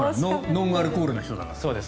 ノンアルコールな人だから。